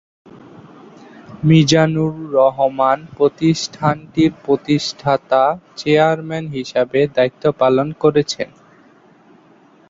মিজানুর রহমান প্রতিষ্ঠানটির প্রতিষ্ঠাতা চেয়ারম্যান হিসেবে দায়িত্ব পালন করছেন।